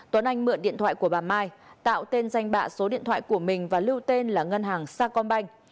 tuấn anh mượn điện thoại của bà mai tạo tên danh bạ số điện thoại của mình và lưu tên là ngân hàng sa công banh